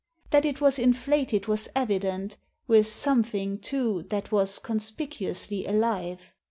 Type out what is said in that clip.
That it was inflated was evident, with something, too, that was conspicuously alive.